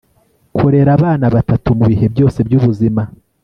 kurera abana batatu mubihe byose byubuzima